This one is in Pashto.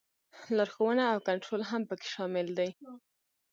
لارښوونه او کنټرول هم پکې شامل دي.